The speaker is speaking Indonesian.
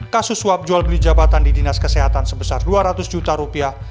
kasus suap jual beli jabatan di dinas kesehatan sebesar dua ratus juta rupiah